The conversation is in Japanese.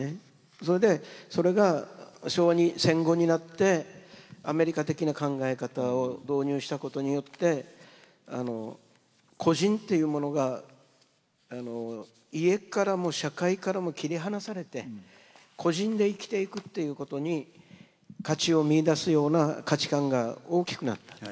それでそれが昭和に戦後になってアメリカ的な考え方を導入したことによって個人っていうものが家からも社会からも切り離されて個人で生きていくっていうことに価値を見いだすような価値観が大きくなった。